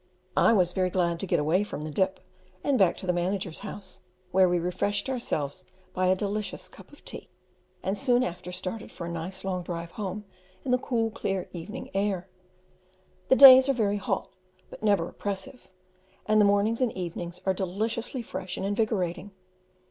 I was very glad to get away from the Dip, and back to the manager's house, where we refreshed ourselves by a delicious cup of tea, and soon after started for a nice long drive home in the cool, clear evening air. The days are very hot, but never oppressive; and the mornings and evenings are deliciously fresh and invigorating.